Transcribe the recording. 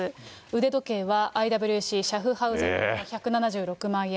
腕時計はＩＷＣシャフハウゼンの１７６万円。